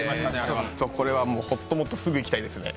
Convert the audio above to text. これはほっともっとすぐ行きたいですね。